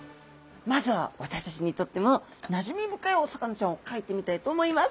まずは私たちにとってもなじみ深いお魚ちゃんを描いてみたいと思います。